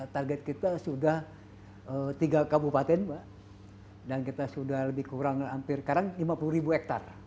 target kita sudah tiga kabupaten dan kita sudah lebih kurang hampir sekarang lima puluh ribu hektare